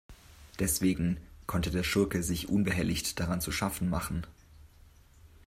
Deswegen konnte der Schurke sich unbehelligt daran zu schaffen machen.